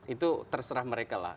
itu terserah mereka lah